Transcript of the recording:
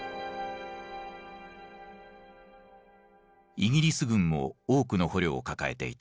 イギリス軍も多くの捕虜を抱えていた。